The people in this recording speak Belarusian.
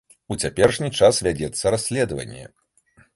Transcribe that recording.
У цяперашні час вядзецца расследаванне.